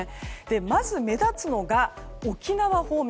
まず、目立つのが沖縄方面。